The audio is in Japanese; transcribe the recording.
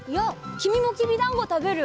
きみもきびだんごたべる？